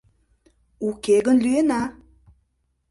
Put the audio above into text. Уке гын лӱена!